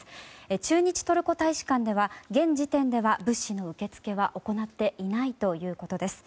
駐日トルコ大使館では現時点では物資の受け付けは行っていないということです。